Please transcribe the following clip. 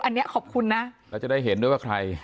อันนี้ขอบคุณนะแล้วจะได้เห็นด้วยว่าใคร